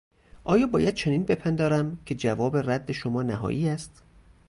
آیا باید چنین بپندارم که جواب رد شما نهایی است؟